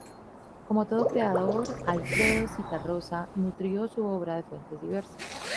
Como todo creador, Alfredo Zitarrosa nutrió su obra de fuentes diversas.